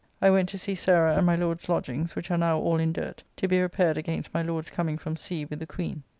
I went to see Sarah and my Lord's lodgings, which are now all in dirt, to be repaired against my Lord's coming from sea with the Queen.